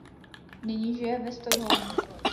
Nyní žije ve Stockholmu.